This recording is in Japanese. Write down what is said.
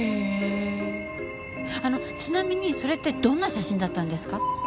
あのちなみにそれってどんな写真だったんですか？